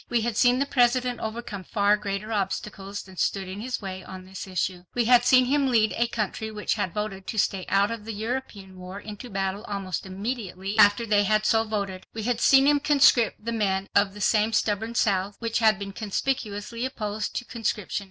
We had seen the President overcome far greater obstacles than stood in his way on this issue. We had seen him lead a country which had voted to stay out of the European war into battle almost immediately after they had so voted. We had seen him conscript the men of the same stubborn South, which had been conspicuously opposed to conscription.